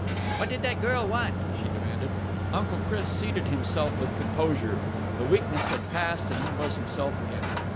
"What did that girl want?" she demanded. Uncle Chris seated himself with composure. The weakness had passed, and he was himself again.